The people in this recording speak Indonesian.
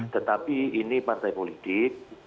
tetapi ini partai politik